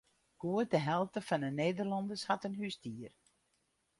Goed de helte fan de Nederlanners hat in húsdier.